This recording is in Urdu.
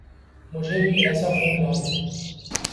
مجھے بھی ایسا فون لا دیں